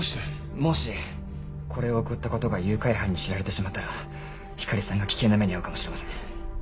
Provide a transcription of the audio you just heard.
もしこれを送ったことが誘拐犯に知られてしまったら光莉さんが危険な目に遭うかもしれません。